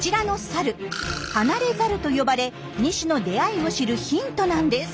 「離れザル」と呼ばれ２種の出会いを知るヒントなんです。